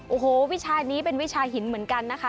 โอ้โหวิชานี้เป็นวิชาหินเหมือนกันนะคะ